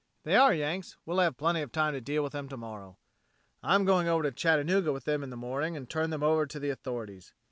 If they are Yanks we'll have plenty of time to deal with them tomorrow. I'm going over to Chattanooga with them in the morning and turn them over to the authorities.